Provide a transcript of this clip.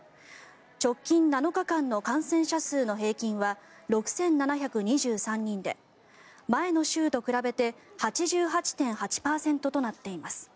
直近７日間の感染者数の平均は６７２３人で前の週と比べて８８．８％となっています。